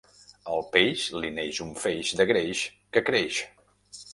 Al peix li neix un feix de greix que creix.